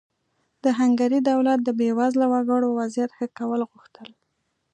د هنګري دولت د بېوزله وګړو وضعیت ښه کول غوښتل.